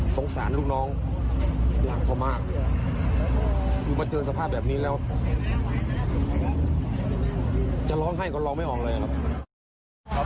สงสารลูกน้องรักเขามากคือมาเจอสภาพแบบนี้แล้วจะร้องไห้ก็ร้องไม่ออกเลยนะครับ